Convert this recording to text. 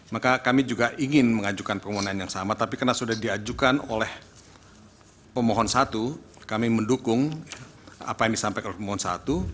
maka kami juga ingin mengajukan permohonan yang sama tapi karena sudah diajukan oleh pemohon satu kami mendukung apa yang disampaikan pemohon satu